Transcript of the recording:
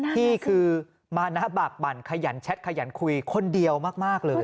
ที่คือมานะบากบั่นขยันแชทขยันคุยคนเดียวมากเลย